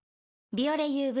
「ビオレＵＶ」